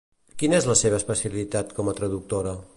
Quina és la seva especialitat com a traductora?